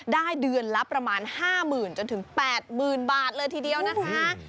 ได้เดือนละประมาณ๕๐๐๐จนถึง๘๐๐๐บาทเลยทีเดียวนะคะ